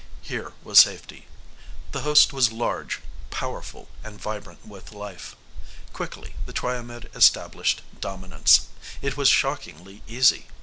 Here was safety. The host was large, powerful and vibrant with life. Quickly, the Triomed established dominance. It was shockingly easy.